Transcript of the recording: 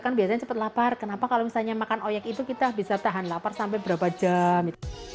kan biasanya cepat lapar kenapa kalau misalnya makan oyek itu kita bisa tahan lapar sampai berapa jam